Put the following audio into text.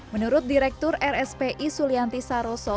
menurut direktur rspi sulianti saroso